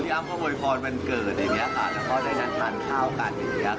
กับเบทิอะบัวโหยฟอนวันเกิดและการทานข้าวกัน